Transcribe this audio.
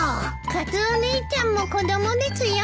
カツオ兄ちゃんも子供ですよ。